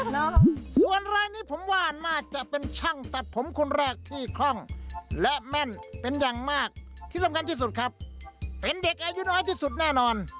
ส่วนรายนี้ผมว่าน่าจะเป็นช่างตัดผมคนแรกที่คล่องและแม่นเป็นอย่างมากที่สำคัญที่สุดครับเป็นเด็กอายุน้อยที่สุดแน่นอน